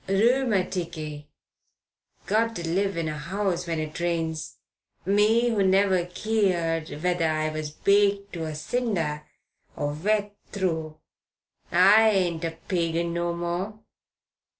Rheumaticky. Got to live in a 'ouse when it rains me who never keered whether I was baked to a cinder or wet through! I ain't a pagan no more.